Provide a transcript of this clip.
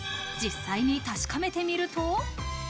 実際に確かめてみると。